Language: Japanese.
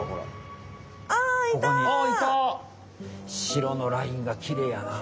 しろのラインがきれいやな。